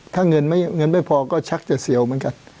ถ้าเงินไม่พอก็ชักจะเสียวเหมือนกัน